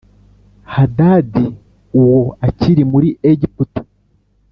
Hadadi uwo akiri muri Egiputa